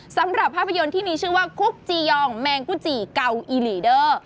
สำหรับภาพยนตร์ที่มีชื่อว่าคุกจียองแมงกุจิเก่าอีหลีเดอร์